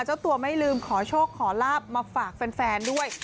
เจ้าตัวไม่ลืมขอโชคขอลาบมาฝากแฟนด้วย